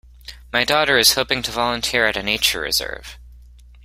My daughter is hoping to volunteer at a nature reserve.